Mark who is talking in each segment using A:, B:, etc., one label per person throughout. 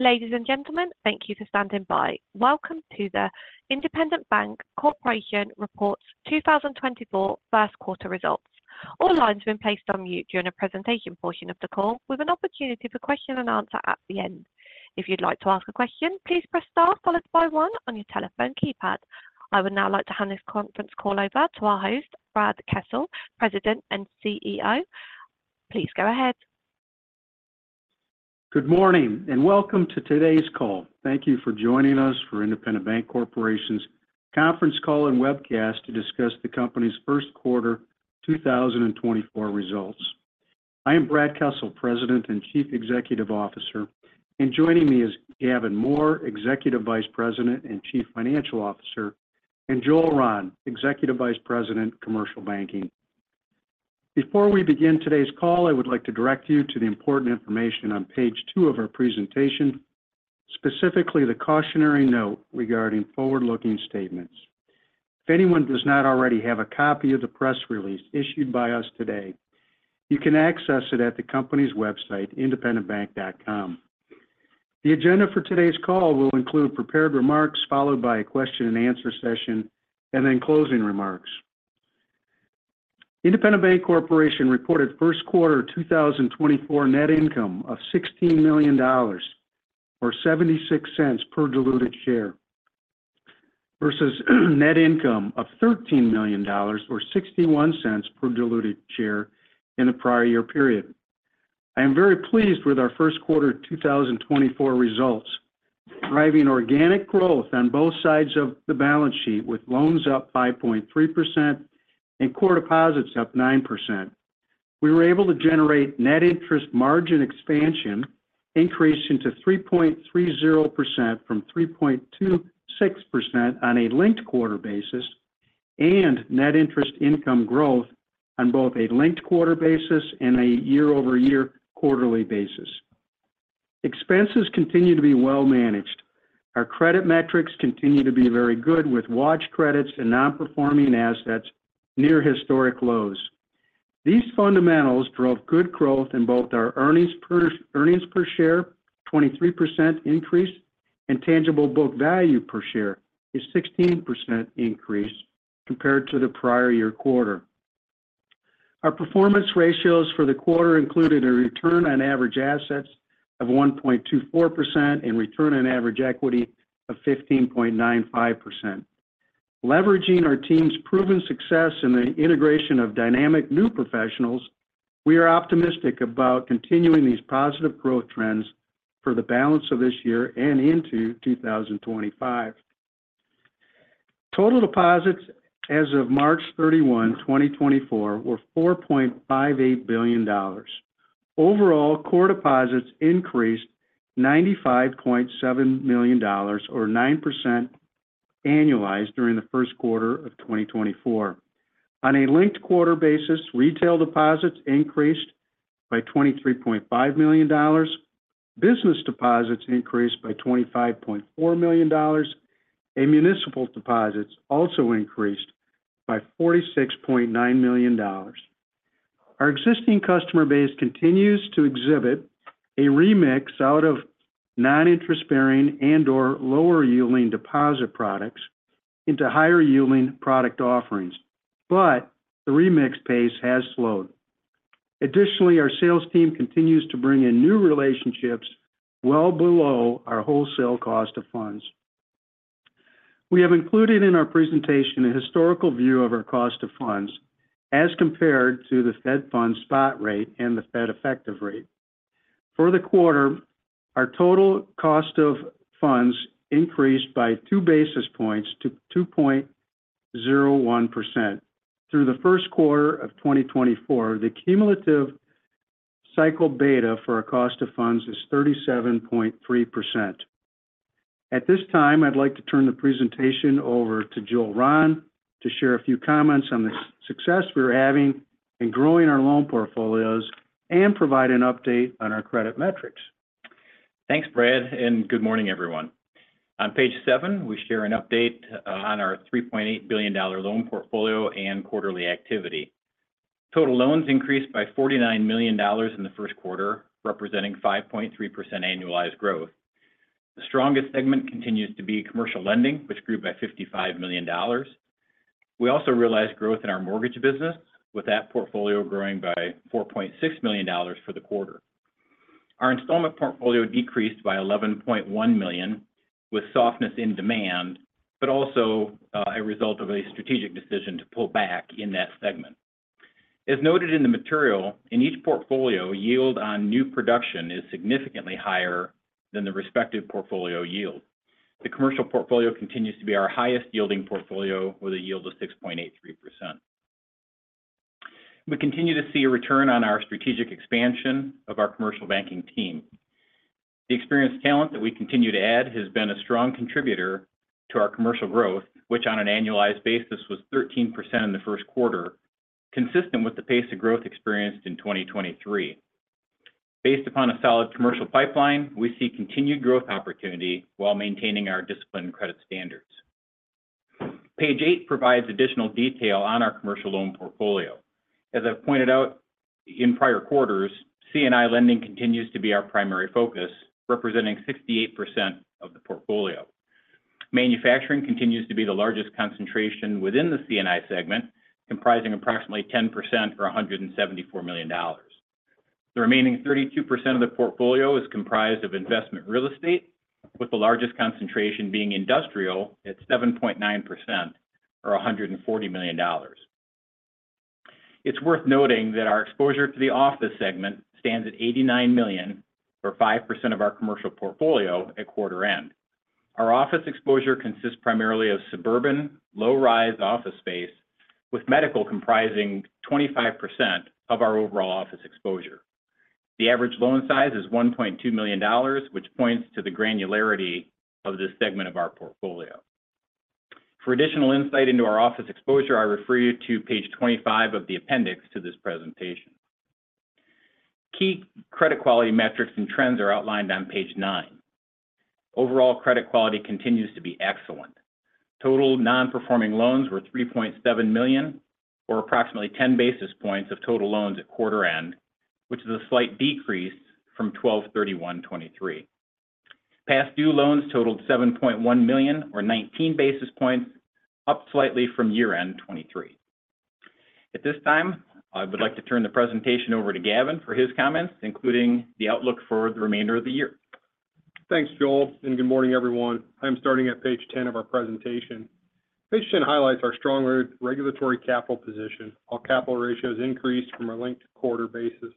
A: Ladies and gentlemen, thank you for standing by. Welcome to the Independent Bank Corporation Reports 2024 First Quarter Results. All lines have been placed on mute during the presentation portion of the call, with an opportunity for question-and-answer at the end. If you'd like to ask a question, please press star followed by one on your telephone keypad. I would now like to hand this conference call over to our host, Brad Kessel, President and CEO. Please go ahead.
B: Good morning, and welcome to today's call. Thank you for joining us for Independent Bank Corporation's conference call and webcast to discuss the company's first quarter 2024 results. I am Brad Kessel, President and Chief Executive Officer, and joining me is Gavin Mohr, Executive Vice President and Chief Financial Officer, and Joel Rahn, Executive Vice President, Commercial Banking. Before we begin today's call, I would like to direct you to the important information on page two of our presentation, specifically the cautionary note regarding forward-looking statements. If anyone does not already have a copy of the press release issued by us today, you can access it at the company's website, independentbank.com. The agenda for today's call will include prepared remarks, followed by a question-and-answer session, and then closing remarks. Independent Bank Corporation reported first quarter 2024 net income of $16 million, or $0.76 per diluted share, versus net income of $13 million or $0.61 per diluted share in the prior year period. I am very pleased with our first quarter 2024 results, driving organic growth on both sides of the balance sheet, with loans up by 5.3% and core deposits up 9%. We were able to generate net interest margin expansion, increasing to 3.30% from 3.26% on a linked-quarter basis, and net interest income growth on both a linked-quarter basis and a year-over-year quarterly basis. Expenses continue to be well managed. Our credit metrics continue to be very good, with watch credits and non-performing assets near historic lows. These fundamentals drove good growth in both our earnings per, earnings per share, 23% increase, and tangible book value per share is 16% increase compared to the prior year quarter. Our performance ratios for the quarter included a return on average assets of 1.24% and return on average equity of 15.95%. Leveraging our team's proven success in the integration of dynamic new professionals, we are optimistic about continuing these positive growth trends for the balance of this year and into 2025. Total deposits as of March 31, 2024, were $4.58 billion. Overall, core deposits increased $95.7 million or 9% annualized during the first quarter of 2024. On a linked quarter basis, retail deposits increased by $23.5 million, business deposits increased by $25.4 million, and municipal deposits also increased by $46.9 million. Our existing customer base continues to exhibit a remix out of non-interest bearing and/or lower-yielding deposit products into higher-yielding product offerings, but the remix pace has slowed. Additionally, our sales team continues to bring in new relationships well below our wholesale cost of funds. We have included in our presentation a historical view of our cost of funds as compared to the Fed Funds spot rate and the Fed effective rate. For the quarter, our total cost of funds increased by 2 basis points to 2.01%. Through the first quarter of 2024, the cumulative cycle beta for our cost of funds is 37.3%. At this time, I'd like to turn the presentation over to Joel Rahn to share a few comments on the success we're having in growing our loan portfolios and provide an update on our credit metrics.
C: Thanks, Brad, and good morning, everyone. On page seven, we share an update on our $3.8 billion loan portfolio and quarterly activity. Total loans increased by $49 million in the first quarter, representing 5.3% annualized growth. The strongest segment continues to be commercial lending, which grew by $55 million. We also realized growth in our mortgage business, with that portfolio growing by $4.6 million for the quarter. Our installment portfolio decreased by $11.1 million, with softness in demand, but also, a result of a strategic decision to pull back in that segment. As noted in the material, in each portfolio, yield on new production is significantly higher than the respective portfolio yield. The commercial portfolio continues to be our highest-yielding portfolio, with a yield of 6.83%. We continue to see a return on our strategic expansion of our commercial banking team. The experienced talent that we continue to add has been a strong contributor to our commercial growth, which, on an annualized basis, was 13% in the first quarter, consistent with the pace of growth experienced in 2023. Based upon a solid commercial pipeline, we see continued growth opportunity while maintaining our disciplined credit standards. Page eight provides additional detail on our commercial loan portfolio. As I've pointed out in prior quarters, C&I lending continues to be our primary focus, representing 68% of the portfolio. Manufacturing continues to be the largest concentration within the C&I segment, comprising approximately 10% or $174 million. The remaining 32% of the portfolio is comprised of investment real estate, with the largest concentration being industrial at 7.9% or $140 million. It's worth noting that our exposure to the office segment stands at $89 million, or 5% of our commercial portfolio at quarter end. Our office exposure consists primarily of suburban, low-rise office space, with medical comprising 25% of our overall office exposure. The average loan size is $1.2 million, which points to the granularity of this segment of our portfolio. For additional insight into our office exposure, I refer you to page 25 of the appendix to this presentation. Key credit quality metrics and trends are outlined on page 9. Overall credit quality continues to be excellent. Total non-performing loans were $3.7 million, or approximately 10 basis points of total loans at quarter end, which is a slight decrease from 12/31/2023. Past due loans totaled $7.1 million or 19 basis points, up slightly from year-end 2023. At this time, I would like to turn the presentation over to Gavin for his comments, including the outlook for the remainder of the year.
D: Thanks, Joel, and good morning, everyone. I'm starting at page 10 of our presentation. Page 10 highlights our strong regulatory capital position. All capital ratios increased from a linked quarter basis.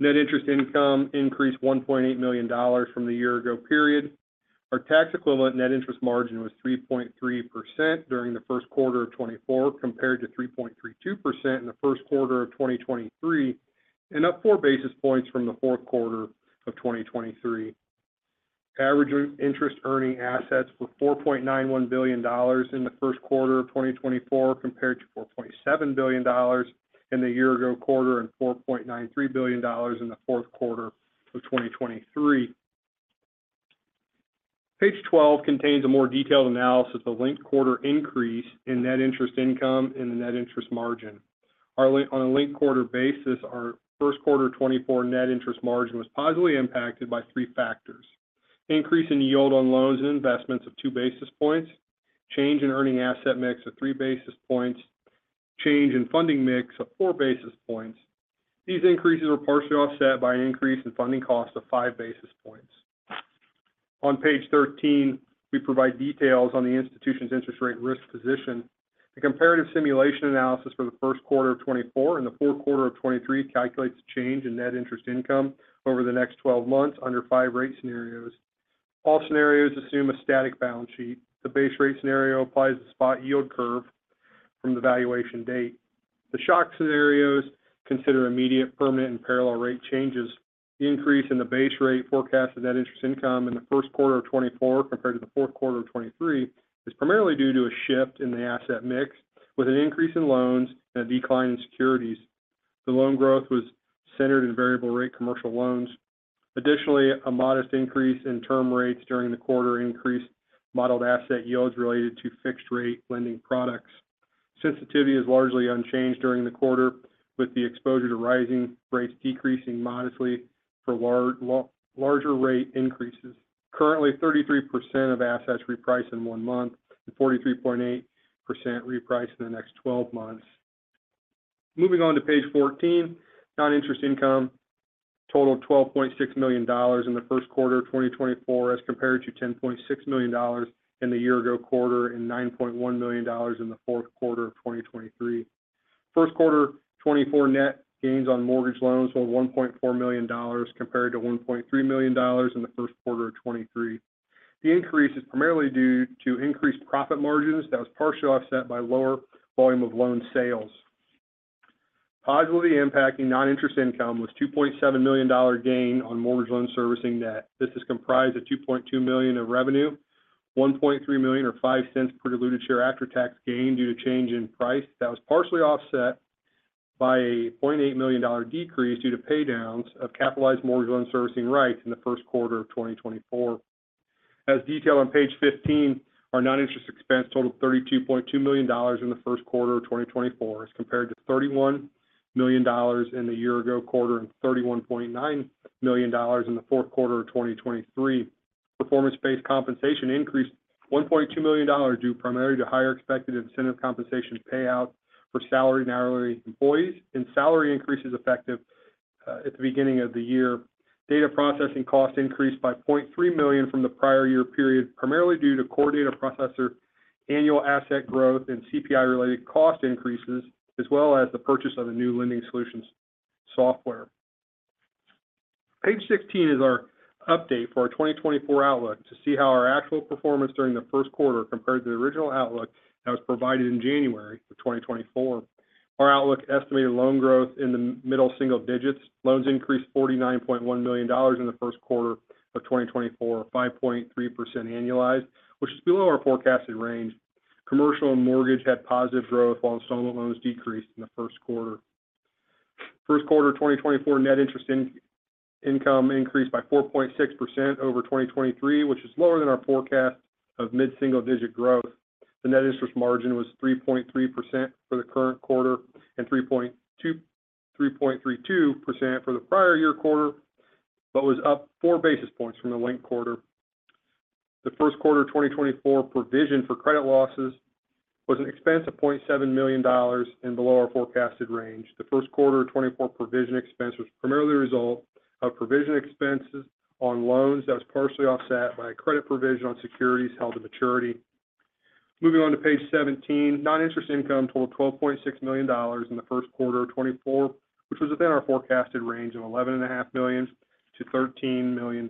D: Net interest income increased $1.8 million from the year ago period. Our tax equivalent net interest margin was 3.3% during the first quarter of 2024, compared to 3.32% in the first quarter of 2023, and up 4 basis points from the fourth quarter of 2023. Average interest-earning assets were $4.91 billion in the first quarter of 2024, compared to $4.7 billion in the year ago quarter, and $4.93 billion in the fourth quarter of 2023. Page 12 contains a more detailed analysis of linked-quarter increase in net interest income and the net interest margin. On a linked-quarter basis, our first quarter 2024 net interest margin was positively impacted by 3 factors: increase in yield on loans and investments of 2 basis points, change in earning asset mix of 3 basis points, change in funding mix of 4 basis points. These increases were partially offset by an increase in funding costs of 5 basis points. On page 13, we provide details on the institution's interest rate risk position. The comparative simulation analysis for the first quarter of 2024 and the fourth quarter of 2023 calculates the change in net interest income over the next 12 months under 5 rate scenarios. All scenarios assume a static balance sheet. The base rate scenario applies the spot yield curve from the valuation date. The shock scenarios consider immediate, permanent, and parallel rate changes. The increase in the base rate forecast of net interest income in the first quarter of 2024 compared to the fourth quarter of 2023, is primarily due to a shift in the asset mix, with an increase in loans and a decline in securities. The loan growth was centered in variable rate commercial loans. Additionally, a modest increase in term rates during the quarter increased modeled asset yields related to fixed rate lending products. Sensitivity is largely unchanged during the quarter, with the exposure to rising rates decreasing modestly for larger rate increases. Currently, 33% of assets reprice in one month and 43.8% reprice in the next 12 months. Moving on to page 14, non-interest income totaled $12.6 million in the first quarter of 2024, as compared to $10.6 million in the year-ago quarter, and $9.1 million in the fourth quarter of 2023. First quarter 2024 net gains on mortgage loans were $1.4 million, compared to $1.3 million in the first quarter of 2023. The increase is primarily due to increased profit margins that was partially offset by lower volume of loan sales. Positively impacting non-interest income was $2.7 million dollar gain on mortgage loan servicing net. This is comprised of $2.2 million of revenue, $1.3 million or $0.05 per diluted share after-tax gain due to change in price. That was partially offset by a $0.8 million decrease due to pay downs of capitalized mortgage loan servicing rights in the first quarter of 2024. As detailed on page 15, our non-interest expense totaled $32.2 million in the first quarter of 2024, as compared to $31 million in the year ago quarter, and $31.9 million in the fourth quarter of 2023. Performance-based compensation increased $1.2 million, due primarily to higher expected incentive compensation payouts for salaried and hourly employees, and salary increases effective at the beginning of the year. Data processing costs increased by $0.3 million from the prior year period, primarily due to core data processor, annual asset growth, and CPI-related cost increases, as well as the purchase of a new lending solutions software. Page 16 is our update for our 2024 outlook to see how our actual performance during the first quarter compared to the original outlook that was provided in January of 2024. Our outlook estimated loan growth in the middle single digits. Loans increased $49.1 million in the first quarter of 2024, or 5.3% annualized, which is below our forecasted range. Commercial and mortgage had positive growth, while installment loans decreased in the first quarter. First quarter of 2024 net interest income increased by 4.6% over 2023, which is lower than our forecast of mid-single digit growth. The net interest margin was 3.3% for the current quarter and 3.32% for the prior year quarter, but was up 4 basis points from the linked quarter. The first quarter of 2024 provision for credit losses was an expense of $0.7 million and below our forecasted range. The first quarter of 2024 provision expense was primarily a result of provision expenses on loans that was partially offset by a credit provision on securities held to maturity. Moving on to page 17, non-interest income totaled $12.6 million in the first quarter of 2024, which was within our forecasted range of $11.5 million-$13 million.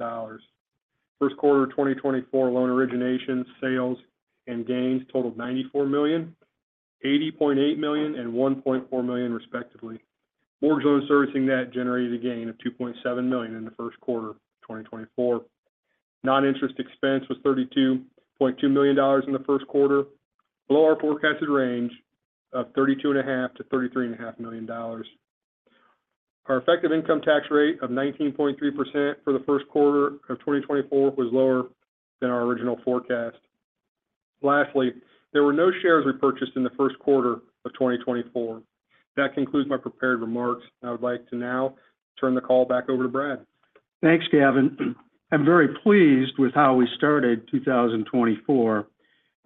D: First quarter of 2024 loan originations, sales and gains totaled $94 million, $80.8 million and $1.4 million, respectively. Mortgage loan servicing net generated a gain of $2.7 million in the first quarter of 2024. Non-interest expense was $32.2 million in the first quarter, below our forecasted range of $32.5 million-$33.5 million. Our effective income tax rate of 19.3% for the first quarter of 2024 was lower than our original forecast. Lastly, there were no shares repurchased in the first quarter of 2024. That concludes my prepared remarks. I would like to now turn the call back over to Brad.
B: Thanks, Gavin. I'm very pleased with how we started 2024,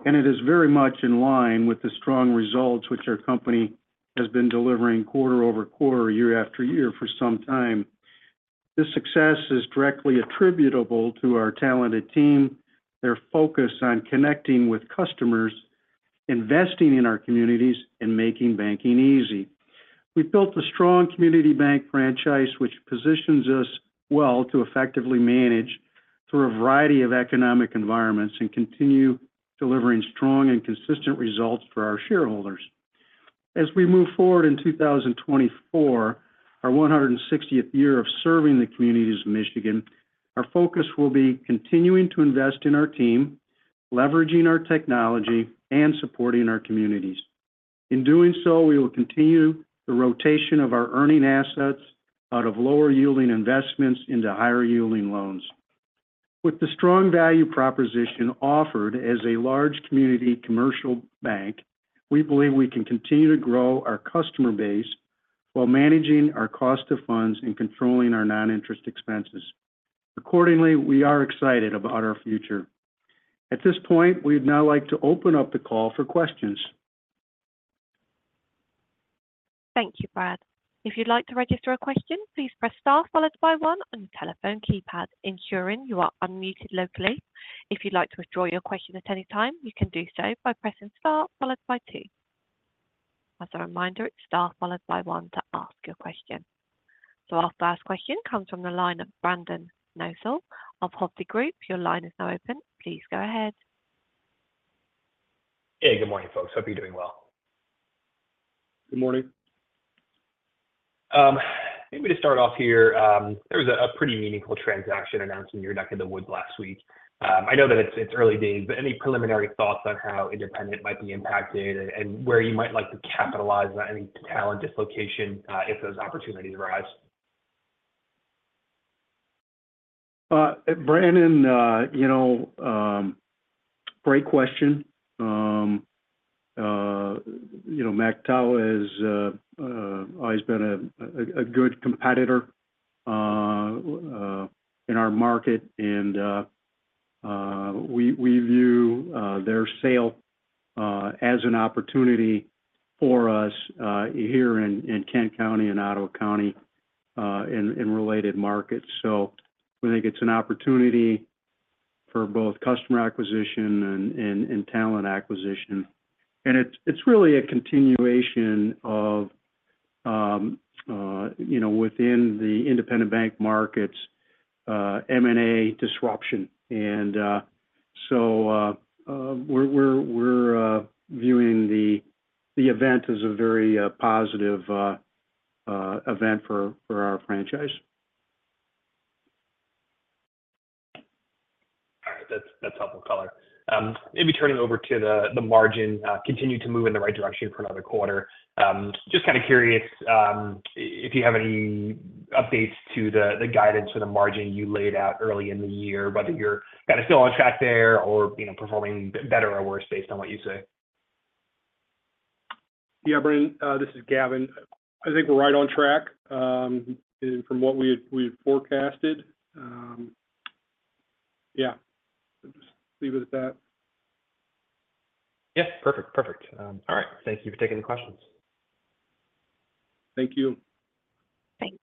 B: and it is very much in line with the strong results which our company has been delivering quarter-over-quarter, year-over-year for some time. This success is directly attributable to our talented team, their focus on connecting with customers, investing in our communities, and making banking easy. We've built a strong community bank franchise, which positions us well to effectively manage through a variety of economic environments and continue delivering strong and consistent results for our shareholders. As we move forward in 2024, our 160th year of serving the communities of Michigan, our focus will be continuing to invest in our team, leveraging our technology, and supporting our communities. In doing so, we will continue the rotation of our earning assets out of lower yielding investments into higher yielding loans. With the strong value proposition offered as a large community commercial bank, we believe we can continue to grow our customer base while managing our cost of funds and controlling our non-interest expenses. Accordingly, we are excited about our future. At this point, we'd now like to open up the call for questions.
A: Thank you, Brad. If you'd like to register a question, please press star followed by one on your telephone keypad, ensuring you are unmuted locally. If you'd like to withdraw your question at any time, you can do so by pressing star followed by two. As a reminder, it's star followed by one to ask your question. So our first question comes from the line of Brendan Nosal of Hovde Group. Your line is now open. Please go ahead.
E: Hey, good morning, folks. Hope you're doing well.
B: Good morning.
E: Maybe to start off here, there was a pretty meaningful transaction announced in your neck of the woods last week. I know that it's early days, but any preliminary thoughts on how Independent might be impacted and where you might like to capitalize on any talent dislocation, if those opportunities arise?
B: Brandon, you know, great question. You know, Macatawa has always been a good competitor in our market, and we view their sale as an opportunity for us here in Kent County and Ottawa County and in related markets. So we think it's an opportunity for both customer acquisition and talent acquisition. And it's really a continuation of, you know, within the Independent Bank markets, M&A disruption. And so we're viewing the event as a very positive event for our franchise.
E: All right. That's, that's helpful color. Maybe turning over to the margin, continue to move in the right direction for another quarter. Just kind of curious, if you have any updates to the guidance or the margin you laid out early in the year, whether you're kind of still on track there or, you know, performing better or worse based on what you say.
D: Yeah, Brandon, this is Gavin. I think we're right on track, and from what we've forecasted. Yeah, just leave it at that.
E: Yeah. Perfect. Perfect. All right. Thank you for taking the questions.
D: Thank you.
A: Thanks.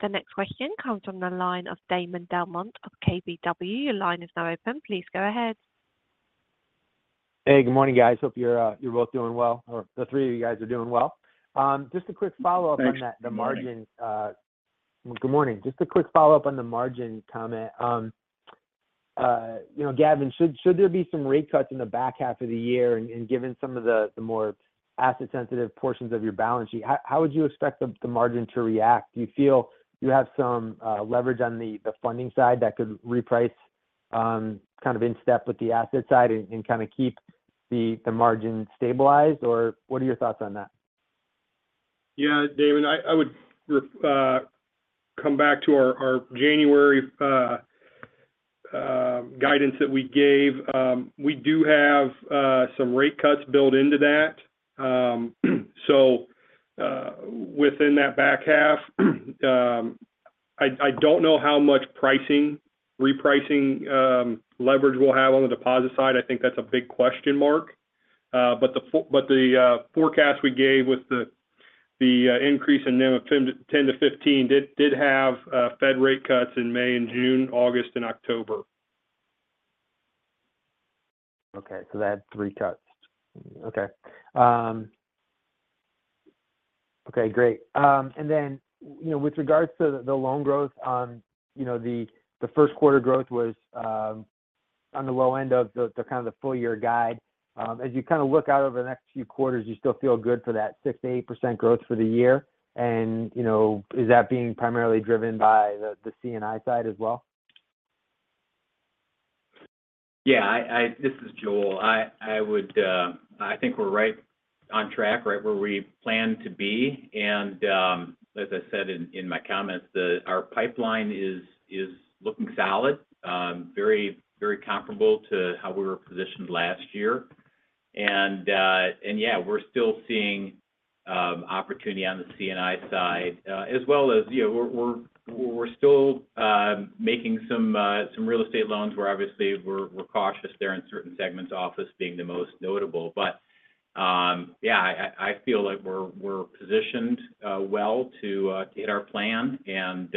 A: The next question comes from the line of Damon DelMonte of KBW. Your line is now open. Please go ahead.
F: Hey, good morning, guys. Hope you're both doing well, or the three of you guys are doing well. Just a quick follow-up-
B: Thanks. Good morning...
F: on the margin. Good morning. Just a quick follow-up on the margin comment. You know, Gavin, should there be some rate cuts in the back half of the year and given some of the more asset-sensitive portions of your balance sheet, how would you expect the margin to react? Do you feel you have some leverage on the funding side that could reprice?... kind of in step with the asset side and kind of keep the margin stabilized? Or what are your thoughts on that?
D: Yeah, Damon, I would come back to our January guidance that we gave. We do have some rate cuts built into that. So, within that back half, I don't know how much pricing, repricing, leverage we'll have on the deposit side. I think that's a big question mark. But the forecast we gave with the increase in NIM of 10-15 did have Fed rate cuts in May and June, August and October.
F: Okay, so that's three cuts. Okay. Okay, great. And then, you know, with regards to the loan growth, you know, the first quarter growth was on the low end of the kind of the full-year guide. As you kind of look out over the next few quarters, do you still feel good for that 6%-8% growth for the year? And, you know, is that being primarily driven by the C&I side as well?
C: Yeah, this is Joel. I would, I think we're right on track, right where we plan to be. And, as I said in my comments, our pipeline is looking solid, very, very comparable to how we were positioned last year. And, yeah, we're still seeing opportunity on the C&I side, as well as, you know, we're still making some real estate loans, where obviously, we're cautious there in certain segments, office being the most notable. But, yeah, I feel like we're positioned well to hit our plan. And,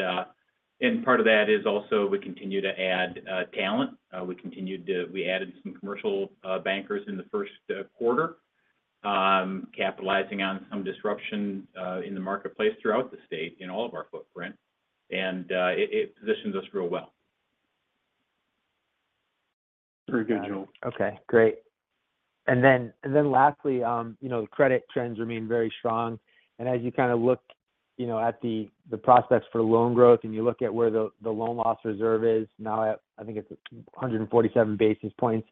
C: part of that is also we continue to add talent. We added some commercial bankers in the first quarter, capitalizing on some disruption in the marketplace throughout the state, in all of our footprint. And it positions us real well.
D: Very good, Joel.
F: Okay, great. And then lastly, you know, the credit trends remain very strong. And as you kind of look, you know, at the prospects for loan growth, and you look at where the loan loss reserve is now at, I think it's 147 basis points.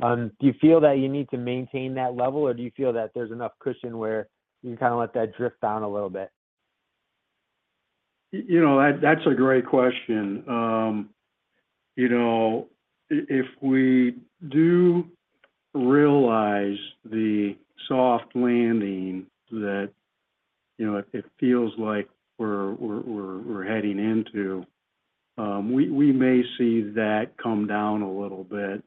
F: Do you feel that you need to maintain that level? Or do you feel that there's enough cushion where you can kind of let that drift down a little bit?
B: You know, that's a great question. You know, if we do realize the soft landing that, you know, it feels like we're heading into, we may see that come down a little bit.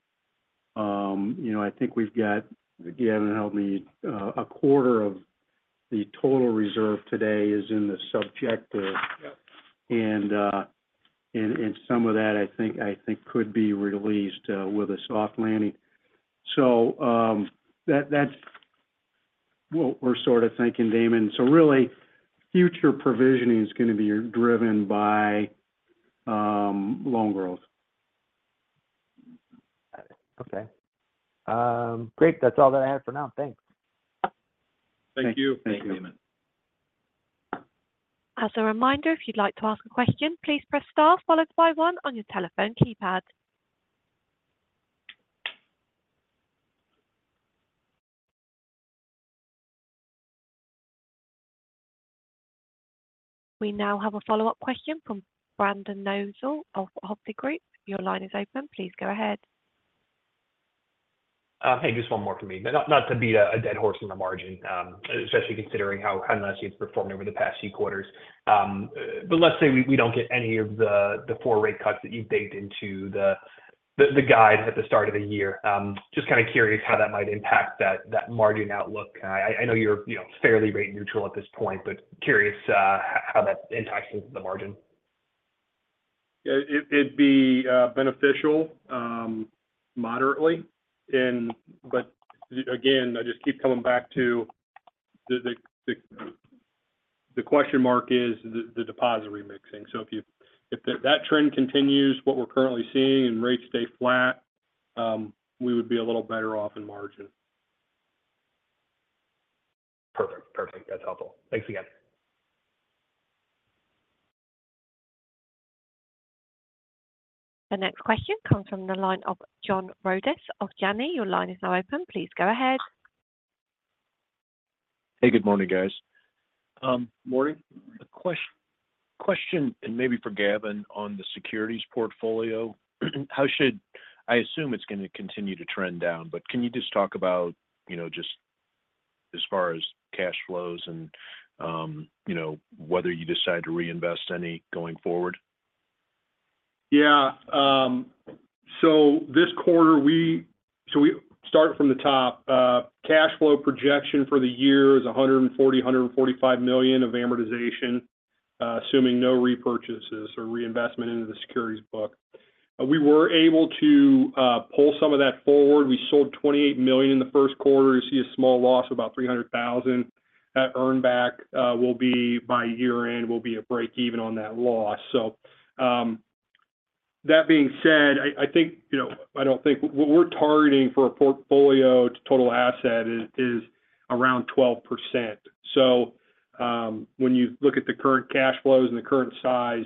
B: You know, I think we've got, again, help me, a quarter of the total reserve today is in the subjective. Yep. And some of that, I think, could be released with a soft landing. So, that's what we're sort of thinking, Damon. So really, future provisioning is going to be driven by loan growth.
F: Okay. Great. That's all that I have for now. Thanks.
B: Thank you.
C: Thank you, Damon.
A: As a reminder, if you'd like to ask a question, please press star followed by one on your telephone keypad. We now have a follow-up question from Brendan Nosal of Hovde Group. Your line is open. Please go ahead.
E: Hey, just one more for me. But not to beat a dead horse in the margin, especially considering how nicely it's performed over the past few quarters. But let's say we don't get any of the 4 rate cuts that you've baked into the guide at the start of the year. Just kind of curious how that might impact that margin outlook. I know you're, you know, fairly rate neutral at this point, but curious how that impacts the margin.
D: Yeah, it, it'd be beneficial, moderately. But again, I just keep coming back to the question mark is the deposit remixing. So if you-- if that trend continues, what we're currently seeing and rates stay flat, we would be a little better off in margin.
E: Perfect. Perfect, that's helpful. Thanks again.
A: The next question comes from the line of John Rodis of Janney. Your line is now open. Please go ahead.
G: Hey, good morning, guys.
D: Um, morning.
G: A question, and maybe for Gavin, on the securities portfolio. How should, I assume, it's going to continue to trend down, but can you just talk about, you know, just as far as cash flows and, you know, whether you decide to reinvest any going forward?
D: Yeah, so this quarter, we start from the top. Cash flow projection for the year is $145 million of amortization, assuming no repurchases or reinvestment into the securities book. We were able to pull some of that forward. We sold $28 million in the first quarter. You see a small loss of about $300,000. Earn back will be by year-end a break even on that loss. So, that being said, I think, you know, I don't think what we're targeting for a portfolio to total asset is around 12%. So, when you look at the current cash flows and the current size,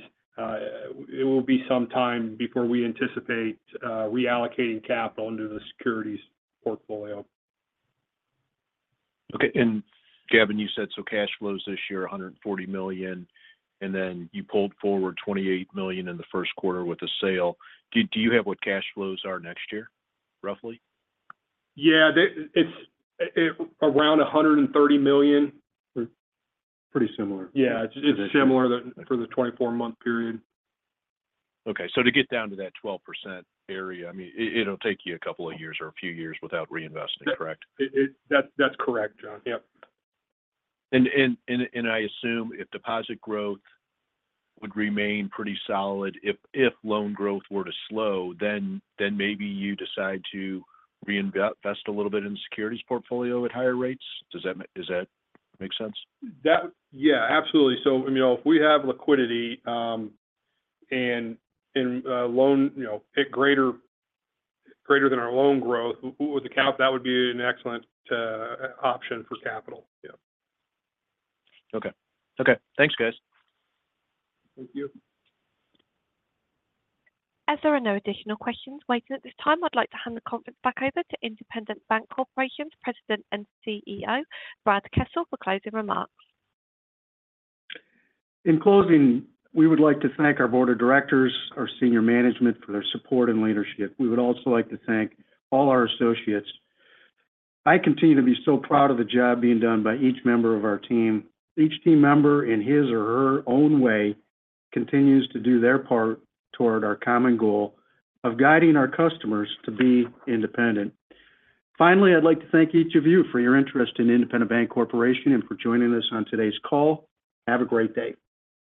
D: it will be some time before we anticipate reallocating capital into the securities portfolio.
G: Okay. And Gavin, you said so cash flows this year, $140 million, and then you pulled forward $28 million in the first quarter with the sale. Do you have what cash flows are next year, roughly?
D: Yeah. It's around $130 million.
B: Pretty similar.
D: Yeah, it's similar for the 24-month period.
G: Okay. So to get down to that 12% area, I mean, it, it'll take you a couple of years or a few years without reinvesting, correct?
D: That's correct, John. Yep.
G: I assume if deposit growth would remain pretty solid, if loan growth were to slow, then maybe you decide to reinvest a little bit in the securities portfolio at higher rates. Does that make sense?
D: Yeah, absolutely. So, I mean, if we have liquidity and loan, you know, at greater than our loan growth, with the count, that would be an excellent option for capital. Yeah.
G: Okay. Okay. Thanks, guys.
D: Thank you.
A: As there are no additional questions waiting at this time, I'd like to hand the conference back over to Independent Bank Corporation's President and CEO, Brad Kessel, for closing remarks.
B: In closing, we would like to thank our board of directors, our senior management for their support and leadership. We would also like to thank all our associates. I continue to be so proud of the job being done by each member of our team. Each team member, in his or her own way, continues to do their part toward our common goal of guiding our customers to be independent. Finally, I'd like to thank each of you for your interest in Independent Bank Corporation and for joining us on today's call. Have a great day.